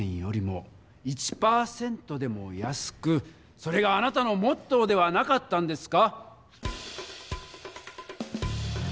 それがあなたのモットーではなかったんですか？